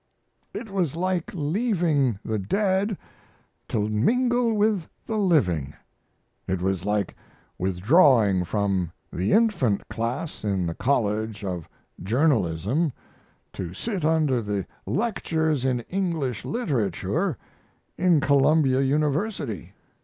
It was like leaving the dead to mingle with the living; it was like withdrawing from the infant class in the college of journalism to sit under the lectures in English literature in Columbia University.